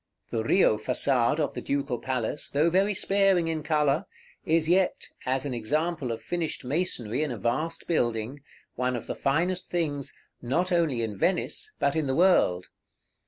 The Rio Façade of the Ducal Palace, though very sparing in color, is yet, as an example of finished masonry in a vast building, one of the finest things, not only in Venice, but in the world.